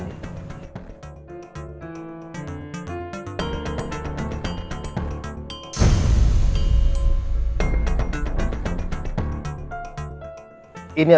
ini adalah foto aslinya pak